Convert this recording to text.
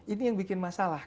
ini yang bikin masalah